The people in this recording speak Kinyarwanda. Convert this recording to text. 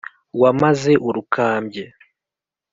wamaze urukambye,